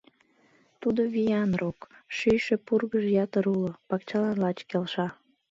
Тудо виян рок, шӱйшӧ пургыж ятыр уло, пакчалан лач келша.